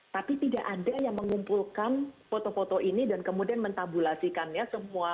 tapi tidak ada yang mengumpulkan foto foto ini dan kemudian mentabulasikannya semua